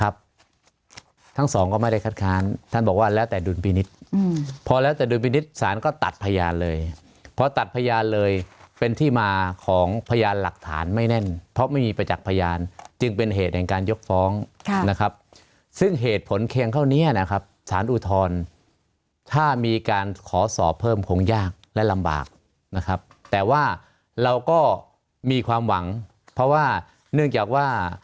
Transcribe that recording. ทั้งสองก็ไม่ได้คัดค้านท่านบอกว่าแล้วแต่ดุลพินิษฐ์พอแล้วแต่ดุลพินิษฐ์สารก็ตัดพยานเลยพอตัดพยานเลยเป็นที่มาของพยานหลักฐานไม่แน่นเพราะไม่มีประจักษ์พยานจึงเป็นเหตุแห่งการยกฟ้องนะครับซึ่งเหตุผลเพียงเท่านี้นะครับสารอุทธรณ์ถ้ามีการขอสอบเพิ่มคงยากและลำบากนะครับแต่ว่าเราก็มีความหวังเพราะว่าเนื่องจากว่า